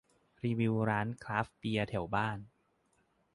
รีวิวร้านคราฟต์เบียร์แถวบ้าน